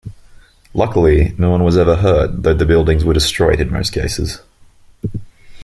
Luckily, no one was ever hurt though the buildings were destroyed in most cases.